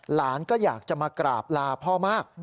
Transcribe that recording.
หลานก็อยากจะมากราบลาพ่อมาก